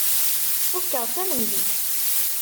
Fukkeɣ d tamenzut.